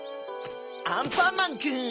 アンパンマンくん！